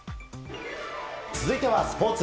続いてはスポーツ。